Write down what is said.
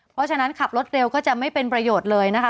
เพราะฉะนั้นขับรถเร็วก็จะไม่เป็นประโยชน์เลยนะคะ